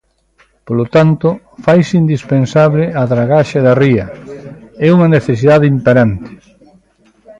Polo tanto, faise indispensable a dragaxe da ría; é unha necesidade imperante.